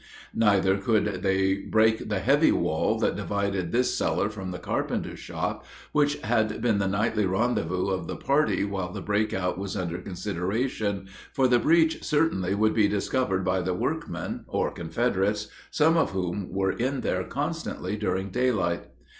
Neither could they break the heavy wall that divided this cellar from the carpenter's shop, which had been the nightly rendezvous of the party while the breakout was under consideration, for the breach certainly would be discovered by the workmen or Confederates, some of whom were in there constantly during daylight.